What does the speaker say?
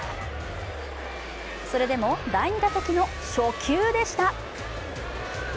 それでも第２打席の初球でした。